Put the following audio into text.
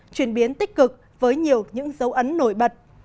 chuyển biến tích cực với nhiều những dấu ấn nổi bật